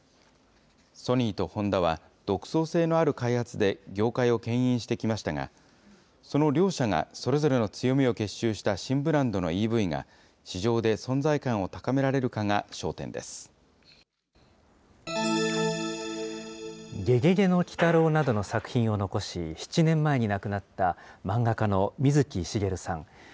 ソニーとホンダは、独創性のある開発で業界をけん引してきましたが、その両社がそれぞれの強みを結集した新ブランドのＥＶが、市場で存在感を高められるかが焦点ゲゲゲの鬼太郎などの作品を残し、７年前に亡くなった漫画家の水木しげるさん。